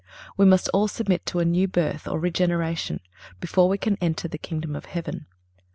We must all submit to a new birth, or regeneration, before we can enter the kingdom of heaven.